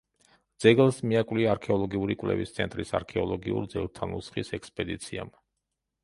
ძეგლს მიაკვლია არქეოლოგიური კვლევის ცენტრის არქეოლოგიურ ძეგლთა ნუსხის ექსპედიციამ.